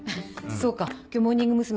そうか今日モーニング娘。